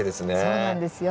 そうなんですよ。